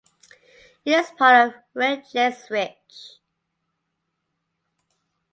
It is part of Reykjanes Ridge.